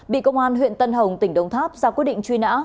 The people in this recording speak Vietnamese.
bị công an huyện tân hồng tỉnh đồng tháp ra quyết định truy nã